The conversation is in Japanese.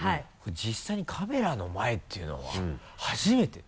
実際にカメラの前っていうのは初めて。